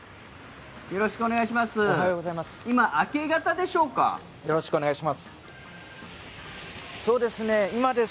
よろしくお願いします。